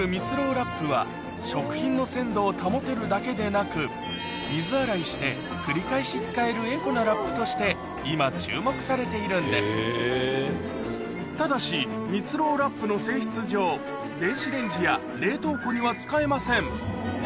ラップは食品の鮮度を保てるだけでなく水洗いしてとして今注目されているんですただしみつろうラップの性質上電子レンジや冷凍庫には使えません